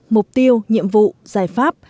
mục tiêu nhiệm vụ giải pháp